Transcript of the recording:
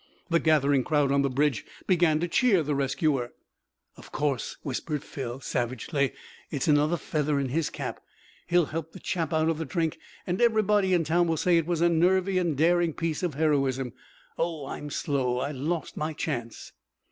The gathering crowd on the bridge began to cheer the rescuer. "Of course!" whispered Phil savagely. "It's another feather in his cap! He'll help the chap out of the drink, and everybody in town will say it was a nervy and daring piece of heroism. Oh, I'm slow! I lost my chance!"